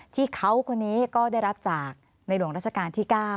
ที่เขาคนนี้ก็ได้รับจากในหลวงราชการที่๙